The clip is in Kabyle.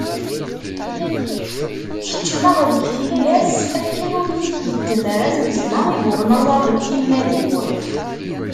Keččmeɣ deg tillas akken ur iyi-tgezzem ara tuzzma i yuɣen aẓar deg timmad-iw.